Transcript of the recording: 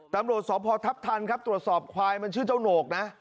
ตำรวจสพทัพทันครับตรวจสอบควายมันชื่อเจ้าโหนกนะ